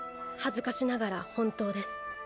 恥ずかしながら本当です。